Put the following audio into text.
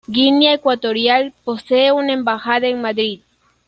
Guinea Ecuatorial posee una embajada en Madrid.